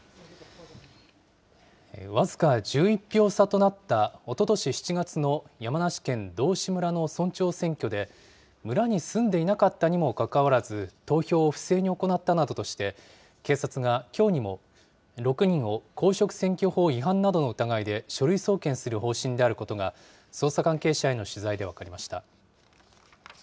僅か１１票差となった、おととし７月の山梨県道志村の村長選挙で、村に住んでいなかったにもかかわらず、投票を不正に行ったなどとして、警察がきょうにも、６人を公職選挙法違反などの疑いで書類送検する方針であることが、捜査関係者への取材で分かりました。